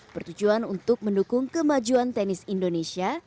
bertujuan untuk mendukung kemajuan tenis indonesia